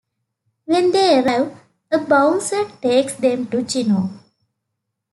When they arrive, a bouncer takes them to Gino.